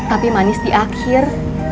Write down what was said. tapi manis di akhir